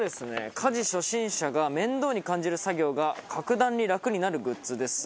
家事初心者が面倒に感じる作業が格段に楽になるグッズです。